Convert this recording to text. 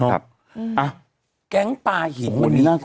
อัแก๊งปลาหินมันเป็นผลอีกแล้วนะฮะ